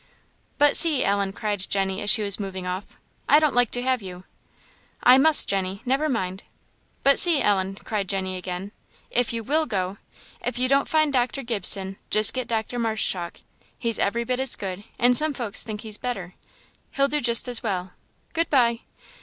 "But see, Ellen!" cried Jenny as she was moving off, "I don't like to have you!" "I must, Jenny. Never mind." "But see, Ellen!" cried Jenny again, "if you will go if you don't find Dr. Gibson, just get Dr. Marshchalk he's every bit as good, and some folks think he's better; he'll do just as well. Good bye!"